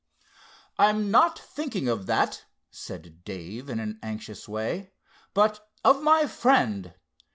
"I'm not thinking of that," said Dave in an anxious way, "but of my friend.